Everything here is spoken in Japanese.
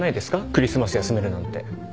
クリスマス休めるなんて。